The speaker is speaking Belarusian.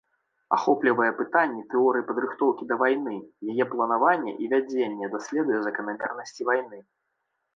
Ахоплівае пытанні тэорыі падрыхтоўкі да вайны, яе планаванне і вядзенне, даследуе заканамернасці вайны.